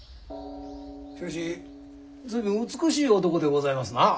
しかし随分美しい男でございますな。